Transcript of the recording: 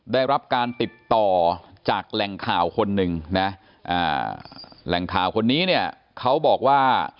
ได้รับการติดต่อจากแหล่งข่าวคนหนึ่งนะแหล่งข่าวคนนี้เนี่ยเขาบอกว่า